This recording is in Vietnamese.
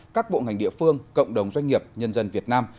các bộ ngành địa phương cộng đồng doanh nghiệp nhân dân việt nam